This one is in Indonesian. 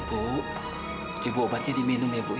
ibu ibu obatnya diminum ya ibu ya